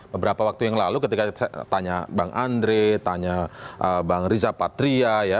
beberapa waktu yang lalu ketika saya tanya bang andre tanya bang riza patria ya